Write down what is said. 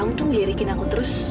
kamu tuh ngelirikin aku terus